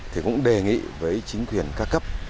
thì cũng đề nghị với chính quyền ca cấp